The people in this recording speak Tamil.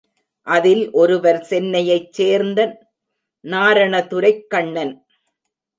அதில் ஒருவர் சென்னையைச் சேர்ந்த நாரணதுரைக்கண்னன்.